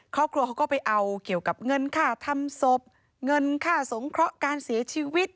ครอบครัวเขาก็ไปเอาเกี่ยวกับเงินค่าทำศพเงินค่าสงเคราะห์การเสียชีวิต